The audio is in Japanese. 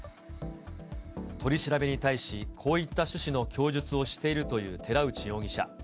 取り調べに対し、こういった趣旨の供述をしているという寺内容疑者。